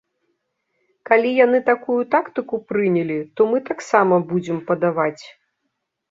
Калі яны такую тактыку прынялі, то мы таксама будзем падаваць.